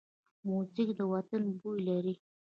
موزیک د وطن بوی لري.